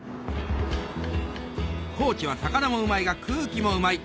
高知は魚もうまいが空気もうまい！